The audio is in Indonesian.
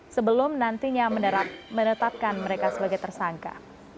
sebelum nantinya menetapkan mereka sebagai tersangka